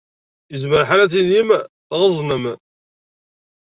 Yezmer lḥal ad tilim tɣeẓnem.